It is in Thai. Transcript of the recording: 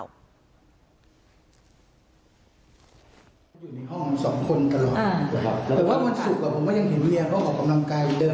แล้วเมียต้องมาเสียงอย่างไรบ้างครับพี่